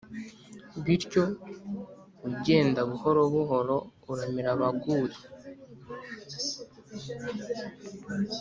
Bityo ugenda buhoro buhoro uramira abaguye,